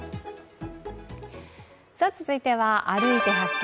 続いては「歩いて発見！